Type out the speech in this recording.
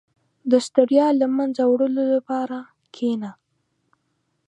• د ستړیا له منځه وړلو لپاره کښېنه.